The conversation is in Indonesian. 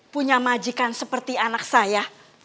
punya majikan seperti anak saya